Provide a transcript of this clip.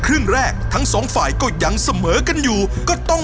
กรอกใหญ่ก็ตอนนั้นตอน